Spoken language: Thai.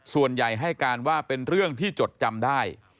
ส่วนใหญ่ให้การว่าเป็นเรื่องที่จดจำได้